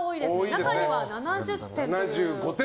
中には７０点も。